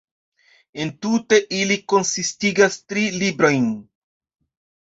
Entute ili konsistigas tri "librojn".